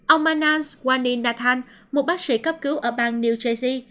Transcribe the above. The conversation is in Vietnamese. ông manas wani natan một bác sĩ cấp cứu ở bang new jersey